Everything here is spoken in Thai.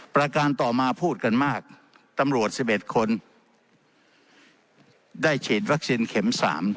ประการต่อมาพูดกันมากตำรวจ๑๑คนได้ฉีดวัคซีนเข็ม๓